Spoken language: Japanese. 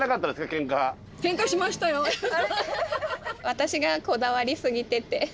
私がこだわりすぎてて。